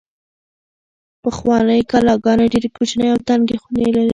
پخوانۍ کلاګانې ډېرې کوچنۍ او تنګې خونې لرلې.